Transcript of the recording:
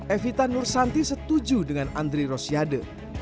evita nursanti setuju dengan andri rosiade